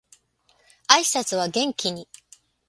挨拶は元気に